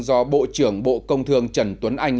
do bộ trưởng bộ công thương trần tuấn anh